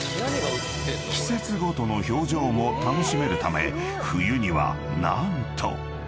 ［季節ごとの表情も楽しめるため冬には何と］